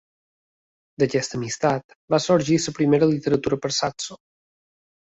D'aquesta amistat va sorgir la primera literatura per saxo.